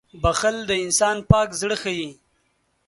• بښل د انسان پاک زړه ښيي.